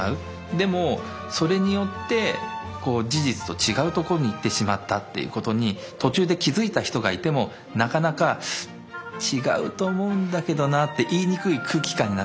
でもそれによって事実と違うとこに行ってしまったっていうことに途中で気付いた人がいてもなかなか「違うと思うんだけどな」って言いにくい空気感になってしまう。